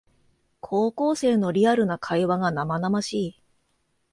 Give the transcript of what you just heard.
高校生のリアルな会話が生々しい